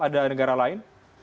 ada negara lain